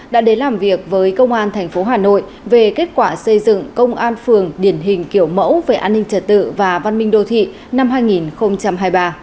đã đến làm việc với công an tp hà nội về kết quả xây dựng công an phường điển hình kiểu mẫu về an ninh trật tự và văn minh đô thị năm hai nghìn hai mươi ba